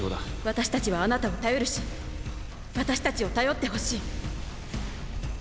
私たちはあなたを頼るし私たちを頼ってほしい。